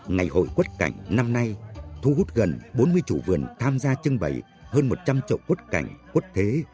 ngày hội quất cảnh năm nay thu hút gần bốn mươi chủ vườn tham gia trưng bày hơn một trăm linh trậu quất cảnh quất thế